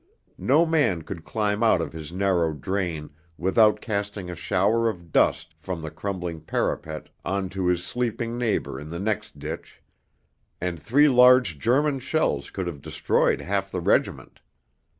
No man could climb out of his narrow drain without casting a shower of dust from the crumbling parapet on to his sleeping neighbour in the next ditch; and three large German shells could have destroyed half the regiment.